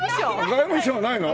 外務省ないの？